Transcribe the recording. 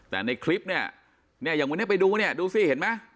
แต่ในคลิปนี้อย่างวันนี้ไปดูนี่ดูสิเห็นมั้ย